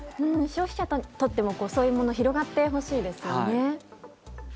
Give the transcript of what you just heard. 消費者にとってもそういうのは広がってほしいですよね。